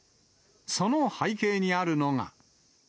その背景にあるのが。